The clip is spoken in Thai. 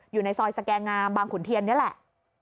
อยู่ในซอยสแกงามบางขุนเทียนนี่แหละ